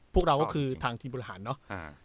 พวกเราก็คือทางทีมบริหารเนอะ